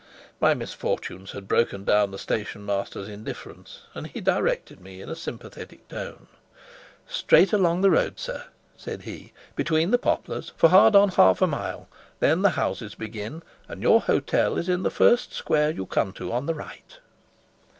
My misfortunes had broken down the station master's indifference, and he directed me in a sympathetic tone. "Straight along the road, sir," said he, "between the poplars, for hard on half a mile; then the houses begin, and your hotel is in the first square you come to, on the right."